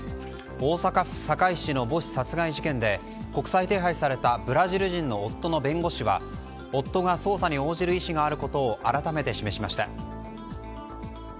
大阪府堺市の母子殺害事件で国際手配されたブラジル人の夫の弁護士は夫が捜査に応じる意思があることを改めて示しました。